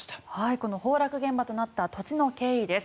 この崩落現場となった土地の経緯です。